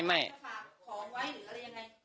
จะกลับหรือไม่กลับ